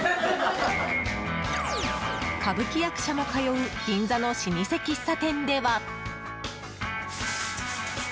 歌舞伎役者も通う銀座の老舗喫茶店では。